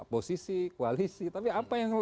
posisi koalisi tapi apa yang